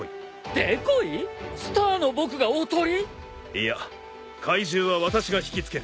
いや怪獣は私が引きつける。